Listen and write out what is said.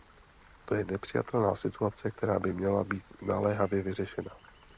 To je nepřijatelná situace, která by měla být naléhavě vyřešena.